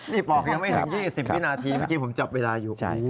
นี่ปอกยังไม่ถึง๒๐วินาทีเมื่อกี้ผมจับเวลาอยู่